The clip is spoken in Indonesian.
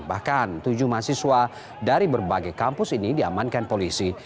bahkan tujuh mahasiswa dari berbagai kampus ini diamankan polisi